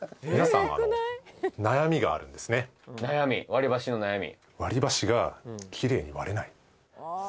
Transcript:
割り箸の悩み？